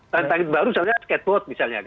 dan tanggung baru misalnya skateboard misalnya